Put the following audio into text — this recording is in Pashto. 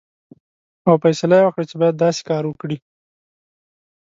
او فیصله یې وکړه چې باید داسې کار وکړي.